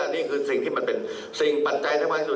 นี่คือสิ่งที่มันเป็นสิ่งปัญญาในความสุข